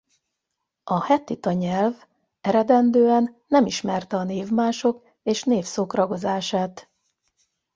A hettita nyelv eredendően nem ismerte a névmások és névszók ragozását.